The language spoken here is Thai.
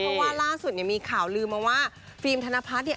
เพราะว่าล่าสุดเนี่ยมีข่าวลืมมาว่าฟิล์มธนพัฒน์เนี่ย